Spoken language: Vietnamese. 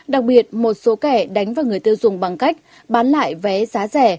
đặc biệt một số kẻ đánh vào người tiêu dùng bằng cách bán lại vé giá rẻ